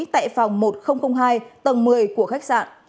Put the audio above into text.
tại phòng một nghìn hai tầng một mươi của khách sạn